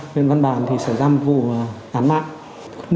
huyện văn bàn thì xảy ra một vụ án mạng